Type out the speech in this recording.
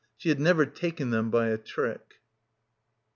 She had never taken them by a trick.